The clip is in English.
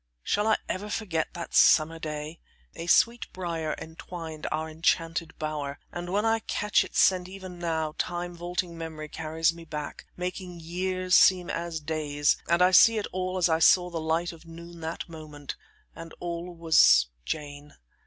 Shall I ever forget that summer day? A sweet briar entwined our enchanted bower, and, when I catch its scent even now, time vaulting memory carries me back, making years seem as days, and I see it all as I saw the light of noon that moment and all was Jane.